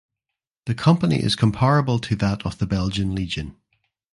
The company is comparable to that of the Belgian Legion.